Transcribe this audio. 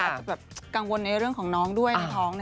อาจจะแบบกังวลเลยเรื่องของน้องด้วย